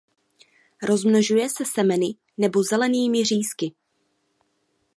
Rozmnožuje se semeny nebo zelenými řízky.